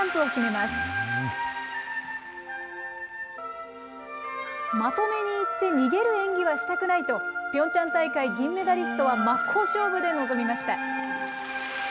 まとめにいって逃げる演技はしたくないと、ピョンチャン大会銀メダリストは真っ向勝負で臨みました。